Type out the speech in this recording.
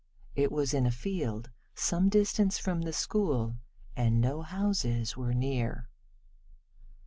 It was in a field some distance from the school, and no houses were near.